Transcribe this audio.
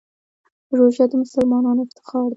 روژه د مسلمانانو افتخار دی.